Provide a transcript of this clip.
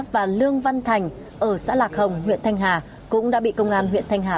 và lương văn thành ở xã lạc hồng huyện thanh hà cũng đã bị công an huyện thanh hà